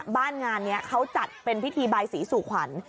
บ้านงานนี้เขาจัดเป็นพิธีบายศรีสู่ขวัญ